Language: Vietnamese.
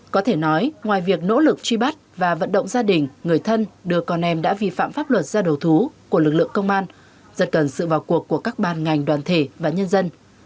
có thể nói ngoài việc nỗ lực truy bắt và vận động gia đình người thân đưa con em đã vi phạm pháp luật ra đầu thú của lực lượng công an rất cần sự vào cuộc của các ban ngành đoàn thể và nhân dân